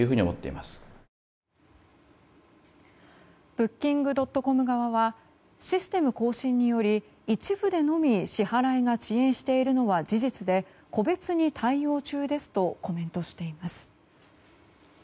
ブッキングドットコム側はシステム更新により一部でのみ支払いが遅延しているのは事実で個別に対応中ですとコメントしています。